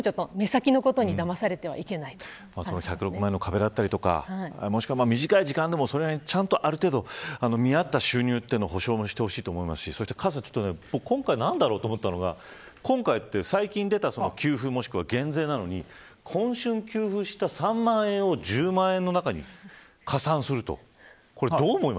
私たちも、目先のことにだまされてはいけないと１０６万円の壁だったり短い時間でもある程度、見合った収入というのを保証してほしいと思いますし今回、何だろうと思ったのが最近出た給付、もしくは減税なのに今春給付した３万円を１０万円の中に加算すると。